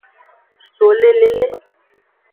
So le lele.